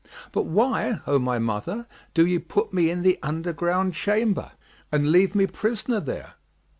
But why, O my mother, do ye put me in the underground chamber and leave me prisoner there?"